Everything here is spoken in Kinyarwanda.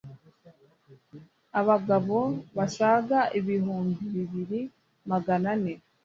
abagabo basaga ibihumbi bibiri Magana ane